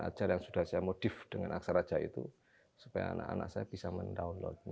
ajar yang sudah saya modif dengan aksara jawa itu supaya anak anak saya bisa mendownloadnya